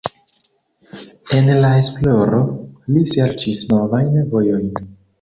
En la esploro li serĉis novajn vojojn.